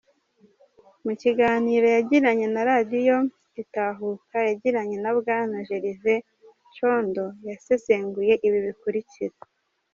Mu kiganiro yagiranye na Radio Itahuka yagiranye na Bwana Gervais Condo yasesenguye ibi bikurikira: